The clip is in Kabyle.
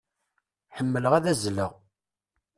Ḥemmleɣ ad azzleɣ.